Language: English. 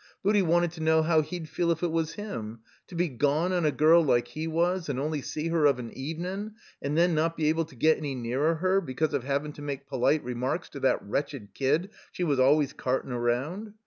Booty wanted to know how he'd feel if it was him. To be gone on a girl like he was and only see her of an evenin' and then not be able to get any nearer her, because of havin' to make polite reemarks to that wretched kid she was always cartin' roimd.